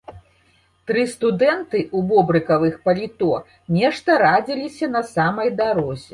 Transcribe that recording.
Тры студэнты ў бобрыкавых паліто нешта радзіліся на самай дарозе.